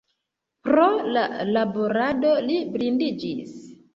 Pro la laborado li blindiĝis.